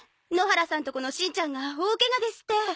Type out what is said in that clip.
野原さんとこのしんちゃんが大ケガですって。